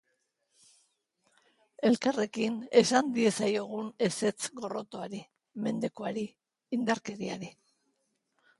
Elkarrekin esan diezaiogun ezetz gorrotoari, mendekuari, indarkeriari.